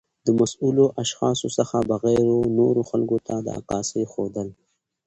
د مسؤلو اشخاصو څخه بغیر و نورو خلګو ته د عکاسۍ ښودل